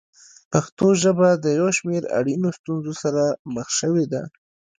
پښتو ژبه د یو شمېر اړینو ستونزو سره مخ شوې ده.